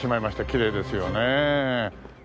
きれいですよね。